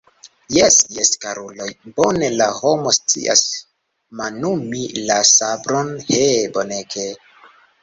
Jes, jes, karuloj, bone la homo scias manumi la sabron, he, bonege!